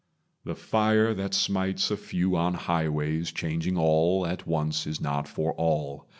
The fire that smites A few on highways, changing all at once, Is not for all.